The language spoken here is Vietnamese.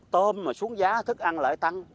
tôm mà xuống giá thức ăn lại tăng